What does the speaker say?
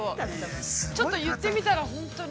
ちょっと言ってみたら、本当に。